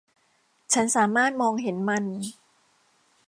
ฉันสามารถมองเห็นมัน